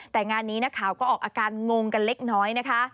แต่งานนี้นักข่าวก็ออกอาการงงกันเล็กน้อยนะคะ